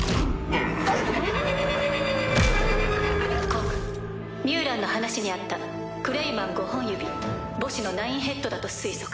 告ミュウランの話にあったクレイマン五本指母指のナインヘッドだと推測。